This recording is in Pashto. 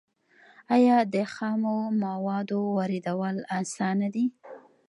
آیا د خامو موادو واردول اسانه دي؟